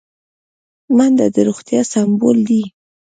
منډه د روغتیا سمبول دی